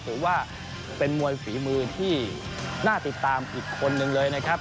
ถือว่าเป็นมวยฝีมือที่น่าติดตามอีกคนนึงเลยนะครับ